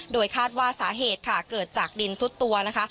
โดยคาดว่าสาเหตุค่ะเกิดจากดินซุดตัวนะคะ